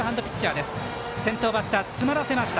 先頭バッター、詰まらせました。